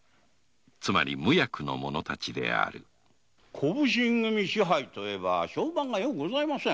つまり無役の者たちである小普請支配といえば評判がよくございません。